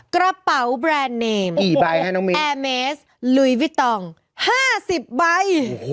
กระเป๋าแบรนด์เนมแอร์เมสลุยวิตอง๕๐ใบ